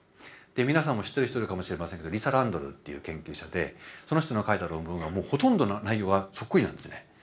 皆さんも知ってる人いるかもしれませんがリサ・ランドールっていう研究者でその人の書いた論文がもうほとんど内容はそっくりなんですね。